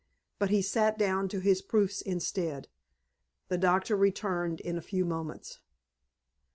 But he sat down to his proofs instead. The Doctor returned in a few moments.